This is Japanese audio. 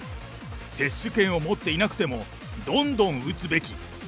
接種券を持っていなくてもどんどん打つべき。